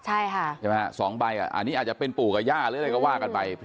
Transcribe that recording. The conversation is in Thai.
อันนี้อาจจะเป็นปู่กับย่าหรืออะไรก็ว่ากันไป